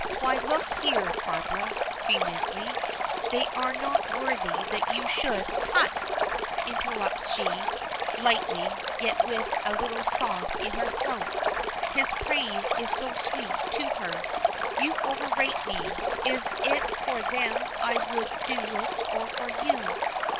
Why, look here, Barbara," vehemently, "they are not worthy that you should " "Tut!" interrupts she, lightly, yet with a little sob in her throat. His praise is so sweet to her. "You overrate me. Is it for them I would do it or for you?